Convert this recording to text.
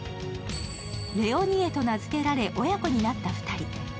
レオニエと名付けられ親子になった２人。